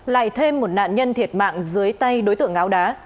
lại thêm một nạn nhân thiệt mạng dưới tay đối tượng áo đá